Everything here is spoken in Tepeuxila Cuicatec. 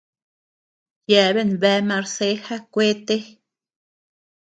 Yeabean bea marceja kuete.